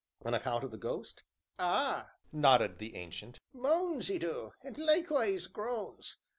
"On account of the ghost?" "Ah!" nodded the Ancient, "moans 'e du, an' likewise groans.